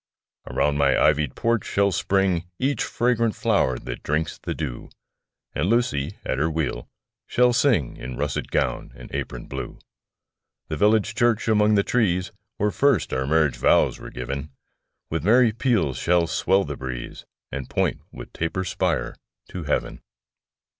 Around my ivy'd porch shall spring Each fragrant flower that drinks the dew; And Lucy, at her wheel, shall sing In russet gown and apron blue. The village church, among the trees, Where first our marriage vows were giv'n, With merry peals shall swell the breeze, And point with taper spire to heav'n.